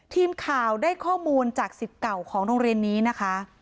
ทีมข่าวได้ข้อมูลจากสิทธิ์เก่าของโรงเรียนนี้นะคะ